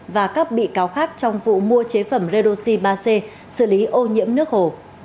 và các bị cáo khác trong vụ mua chế phẩm redoxi ba c xử lý ô nhiễm nước hồ